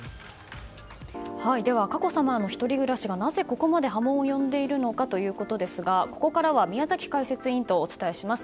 佳子さまの１人暮らしがなぜここまで波紋を呼んでいるのかですがここからは宮崎解説委員とお伝えします。